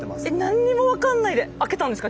何にも分かんないで開けたんですか？